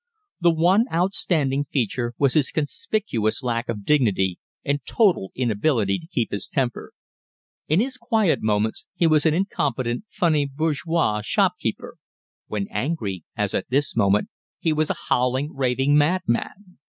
The one outstanding feature was his conspicuous lack of dignity and total inability to keep his temper. In his quiet moments he was an incompetent, funny bourgeois shopkeeper; when angry, as at this moment, he was a howling, raving madman.